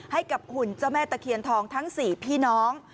หุ่นเจ้าแม่ตะเคียนทองทั้ง๔พี่น้อง